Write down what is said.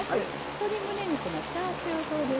鶏むね肉のチャーシュー風です。